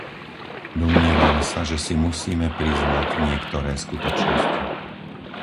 Domnievam sa, že si musíme priznať niektoré skutočnosti.